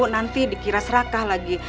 nanti dikira serakah lagi